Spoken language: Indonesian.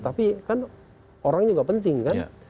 tapi kan orangnya juga penting kan